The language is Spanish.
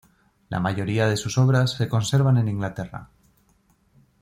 La mayoría de sus obras se conservan en Inglaterra.